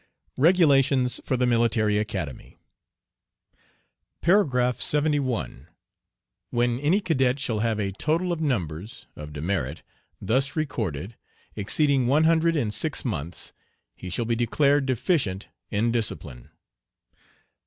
REGULATIONS FOR THE MILITARY ACADEMY. Par. 71. When any Cadet shall have a total of numbers [of demerit] thus recorded, exceeding one hundred in six months, he shall be declared deficient in discipline.